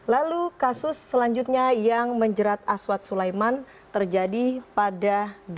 lalu kasus selanjutnya yang menjerat aswat sulaiman terjadi pada dua ribu tujuh belas